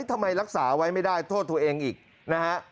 ทำไมรักษาไว้ไม่ได้โทษตัวเองอีกนะฮะ